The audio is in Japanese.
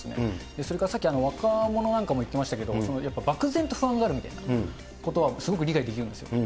それからさっき若者なんかも言ってましたけど、やっぱ、漠然と不安があるみたいなことは、すごく理解できるんですよ。